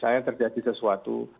ya terjadi sesuatu